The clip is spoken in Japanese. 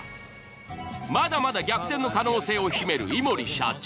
まだまだ逆転の可能性を秘めるいもり社長。